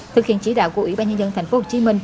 thực hiện chỉ đạo của ủy ban nhân dân tp hcm